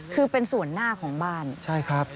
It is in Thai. คือเป็นส่วนหน้าของบ้านใช่ครับ